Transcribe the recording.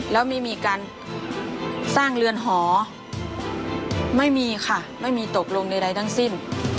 แล้วไม่มีการสร้างเรือนหอไม่มีค่ะไม่มีตกลงใดทั้งสิ้น